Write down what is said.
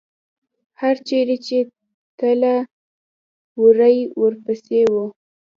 هر چېرې چې تله، وری ورپسې و.